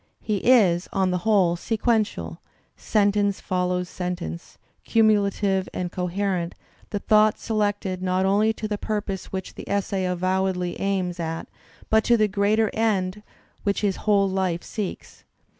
He is, on the whole, sequential; sentence follows sentence, cumulative and coherent, the thought selected not only to the pur pose which the essay avowedly aims at but to the greater end which his whole life seeks.